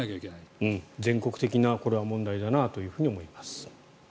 これは全国的な問題だなと思います。